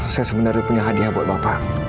saya sebenarnya punya hadiah buat bapak